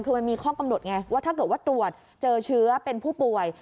คือมันมีข้อกำหนดไงว่าถ้าเกิดว่าตรวจเจอเชื้อเป็นผู้ป่วย